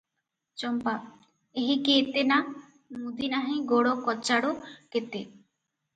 ଚମ୍ପା - 'ଏହିକି ଏତେ ନା - ମୁଦି ନାହିଁ ଗୋଡ଼ କଚାଡୁ କେତେ?